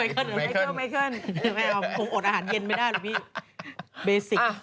ไม่ขึ้นคงโอดอาหารเย็นไม่ได้เลยพี่